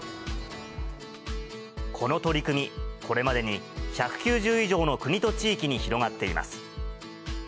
この取り組み、これまでに１９０以上の国と地域に広がっています。